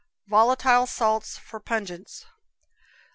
Volatile Salts for Pungents.